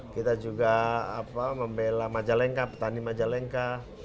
kita juga membela majalengka petani majalengka